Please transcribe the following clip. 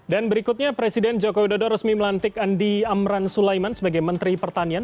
dan berikutnya presiden joko widodo resmi melantik andi amran sulaiman sebagai menteri pertanian